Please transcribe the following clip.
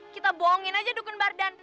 kita bohongin aja dukun bardan